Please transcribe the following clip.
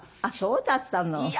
あっそうだったの。